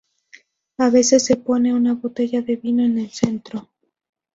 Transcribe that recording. A veces se pone una botella de vino en el centro.